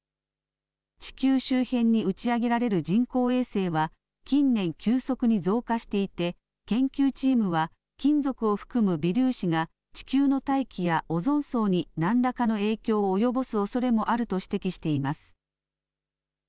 地球周辺に打ち上げられる人工衛星は近年、急速に増加していて研究チームは金属を含む微粒子が地球の大気やオゾン層に何らかの影響を及ぼすおそれもあると指摘しています。